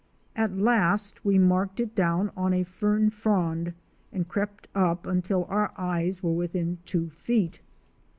At last we marked it down on a fern frond and crept up until our eyes were within two feet.